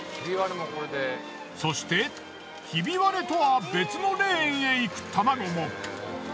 そしてひび割れとは別のレーンへ行く卵も。